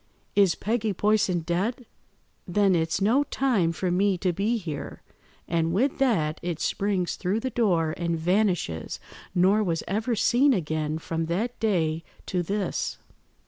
is Peggy Poyson dead? Then it's no time for me to be here;' and with that it springs through the door and vanishes, nor was ever seen again from that day to this."